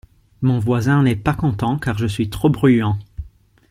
Mon voisin n’est pas content car je suis trop bruyant.